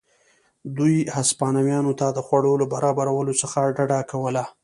دوی هسپانویانو ته د خوړو له برابرولو څخه ډډه کوله.